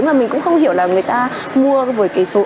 và mình cũng không hiểu là người ta mua với cái số